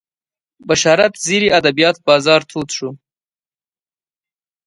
بشارت زیري ادبیات بازار تود شو